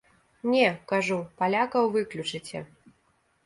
Не, кажу, палякаў выключыце!